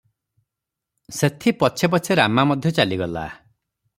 ସେଥି ପଛେ ପଛେ ରାମା ମଧ୍ୟ ଚାଲିଗଲା ।